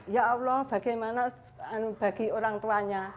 ya allah bagaimana bagi orang tuanya